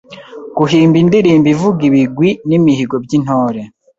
Guhimba indirimbo ivuga ibigwi n’imihigo by’Intore ;